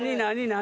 何？